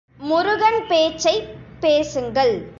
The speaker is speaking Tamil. முருகன் பேச்சைப் பேசுங்கள்.